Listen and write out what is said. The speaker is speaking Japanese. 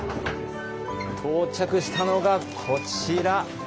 到着したのがこちら。